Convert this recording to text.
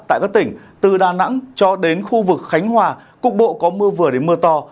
tại các tỉnh từ đà nẵng cho đến khu vực khánh hòa cục bộ có mưa vừa đến mưa to